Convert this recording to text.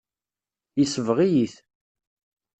Yesbeɣ-iyi-t.